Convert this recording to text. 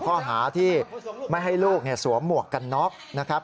ข้อหาที่ไม่ให้ลูกสวมหมวกกันน็อกนะครับ